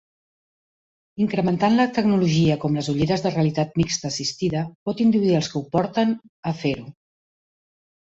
Incrementant la tecnologia com les ulleres de realitat mixta assistida pot induir als que ho porten, a fer-ho.